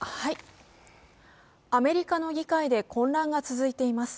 アメリカの議会で混乱が続いています。